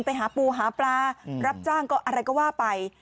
ไปหาปูหาปลารับจ้างก็อะไรก็ว่าไป